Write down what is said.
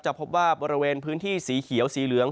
พบว่าบริเวณพื้นที่สีเขียวสีเหลือง